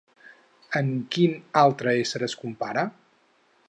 Amb quin altre ésser es compara?